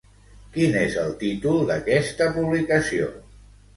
Quin és el títol d'aquesta publicació?